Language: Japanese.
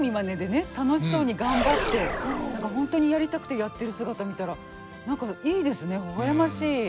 楽しそうに頑張って本当にやりたくてやってる姿見たら何かいいですねほほ笑ましい。